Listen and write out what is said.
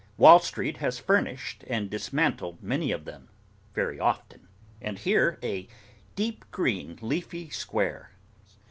—Wall Street has furnished and dismantled many of them very often—and here a deep green leafy square.